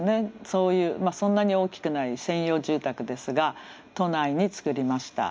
そういうそんなに大きくない専用住宅ですが都内に作りました。